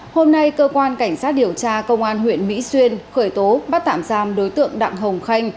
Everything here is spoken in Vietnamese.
hôm nay cơ quan cảnh sát điều tra công an huyện mỹ xuyên khởi tố bắt tạm giam đối tượng đặng hồng khanh